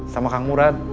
sama kang murad